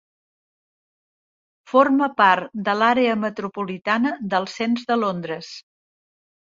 Forma part de l'àrea metropolitana del cens de Londres.